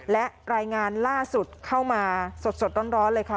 และรายงานล่าสุดเข้ามาสดร้อนเลยค่ะ